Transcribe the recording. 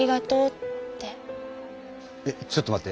えちょっと待って。